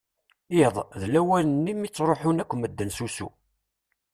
Iḍ, d lawan-nni mi ttruḥen akk medden s usu.